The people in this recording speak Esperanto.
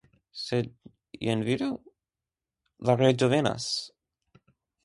Sed, jen vidu ? la reĝo venas.